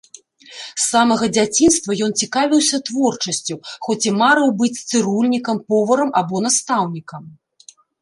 З самага дзяцінства ён цікавіўся творчасцю, хоць і марыў быць цырульнікам, поварам або настаўнікам.